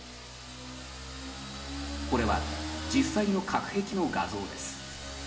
これは実際の隔壁の画像です。